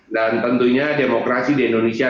dan tentunya demokrasi di indonesia